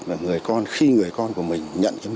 và người con khi người con của mình nhận được